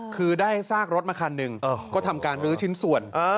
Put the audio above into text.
คือได้ซากรถมาคันหนึ่งก็ทำการลื้อชิ้นส่วน